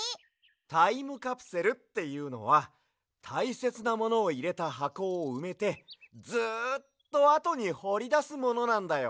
タイムカプセルっていうのはたいせつなものをいれたはこをうめてずっとあとにほりだすものなんだよ。